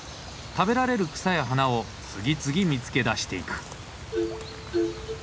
食べられる草や花を次々見つけ出していく。